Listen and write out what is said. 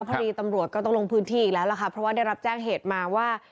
พอดีตำรวจก็ต้องลงพื้นที่อีกแล้วล่ะค่ะเพราะว่าได้รับแจ้งเหตุมาว่า